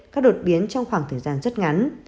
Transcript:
các đột biến trong khoảng thời gian rất ngắn